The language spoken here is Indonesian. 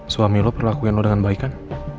suami lo perlu lakuin lo dengan baik kan